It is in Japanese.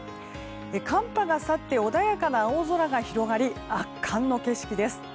寒波が去って穏やかな青空が広がり圧巻の景色です。